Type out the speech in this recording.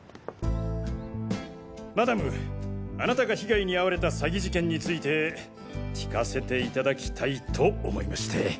マダムあなたが被害に遭われた詐欺事件について聞かせていただきたいと思いまして。